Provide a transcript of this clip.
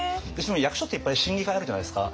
役所っていっぱい審議会あるじゃないですか。